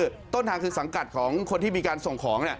คือต้นทางคือสังกัดของคนที่มีการส่งของ